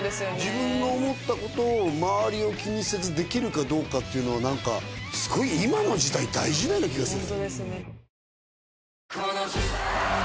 自分の思った事を周りを気にせずできるかどうかっていうのは何かすごい今の時代大事なような気がする。